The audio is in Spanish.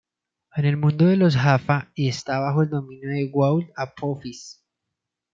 Es el mundo de los Jaffa y está bajo el dominio del Goa'uld Apophis.